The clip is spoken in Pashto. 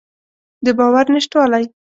د باور نشتوالی.